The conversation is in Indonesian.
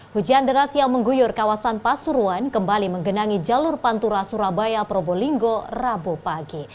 hujan deras yang mengguyur kawasan pasuruan kembali menggenangi jalur pantura surabaya probolinggo rabu pagi